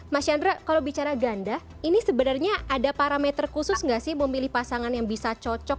mas chandra kalau bicara ganda ini sebenarnya ada parameter khusus nggak sih memilih pasangan yang bisa cocok